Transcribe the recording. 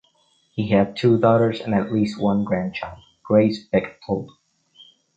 He had two daughters and at least one grandchild, Grace Bechtold.